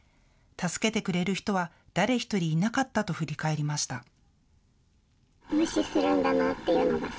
助けてくれる人は誰一人いなかったと振り返りました。